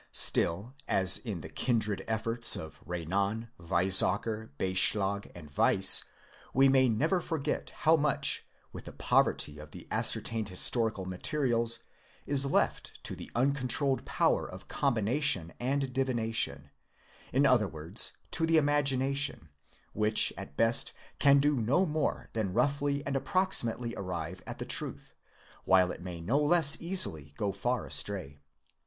Still, as in the kindred efforts of Renan, Weizsacker, Beyschlag and Weiss, we may never forget how much, with the poverty of the ascer tained historical materials, is left to the uncontrolled power of combination and divination; in other words, to the imagination, which at best can do no more than roughly and approximately arrive at the truth, while it may no less easily go far astray.